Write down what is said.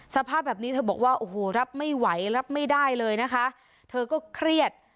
สภาพแบบนี้เธอบอกว่าโอ้โหรับไม่ไหวรับไม่ได้เลยนะคะเธอก็เครียด